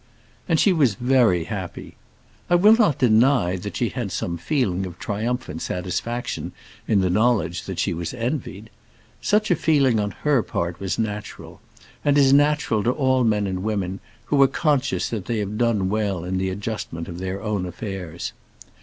And she was very happy. I will not deny that she had some feeling of triumphant satisfaction in the knowledge that she was envied. Such a feeling on her part was natural, and is natural to all men and women who are conscious that they have done well in the adjustment of their own affairs.